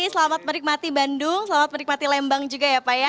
selamat menikmati bandung selamat menikmati lembang juga ya pak ya